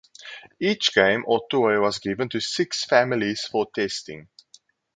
Each game or toy was given to six families for testing.